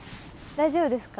大丈夫ですか？